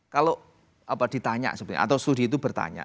kalau ditanya sebenarnya atau studi itu bertanya